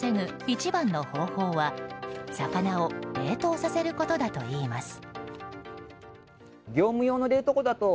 一番の方法は魚を冷凍させることだといいます。